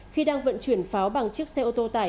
khi đang vận chuyển pháo bằng chiếc xe ô tô tải